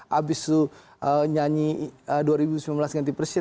habis itu nyanyi dua ribu sembilan belas ganti presiden